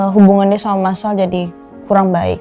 hubungannya sama massal jadi kurang baik